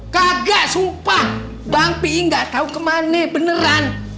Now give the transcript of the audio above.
kagak sumpah bang fi enggak tahu kemana beneran